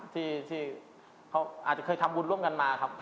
ที่เขาอาจจะเคยทำบุญร่วมกันมาครับ